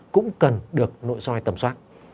cũng cần được nội soi tầm soát